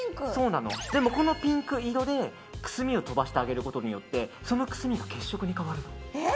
でもこのピンク色でくすみを飛ばしてあげることによってそのくすみが血色に変わるの。